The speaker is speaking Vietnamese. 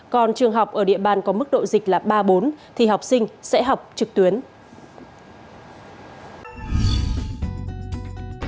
còn trường học ở địa bàn có mức độ hai thì học sinh học trực tiếp